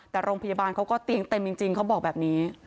แต่โรงพยาบาลเขาก็เตียงเต็มจริงเขาบอกแบบนี้